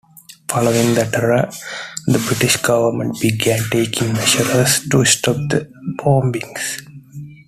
Following the terror, the British government began taking measures to stop the bombings.